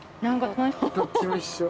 どっちも一緒。